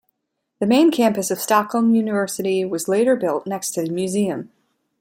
The main campus of Stockholm University was later built next to the museum.